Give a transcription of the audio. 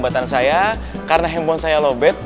bagus sekali bagus sekali